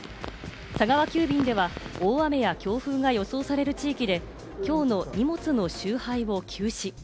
佐川急便では大雨や強風が予想される地域できょうの荷物の集配を休止。